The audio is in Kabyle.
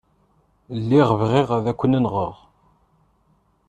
Lliɣ bɣiɣ ad ken-nɣeɣ.